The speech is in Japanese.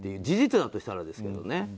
事実だとしたらですけどね。